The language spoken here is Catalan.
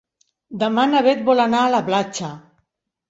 Demà na Bet vol anar a la platja.